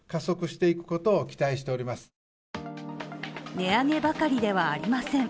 値上げばかりではありません。